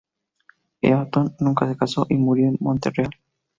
Eaton nunca se casó y murió en Montreal.